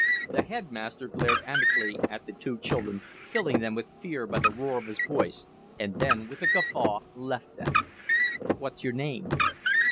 The headmaster glared amicably at the two children, filling them with fear by the roar of his voice, and then with a guffaw left them. "What's your name?"